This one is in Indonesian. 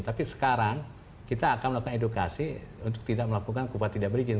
tapi sekarang kita akan melakukan edukasi untuk tidak melakukan kupat tidak berizin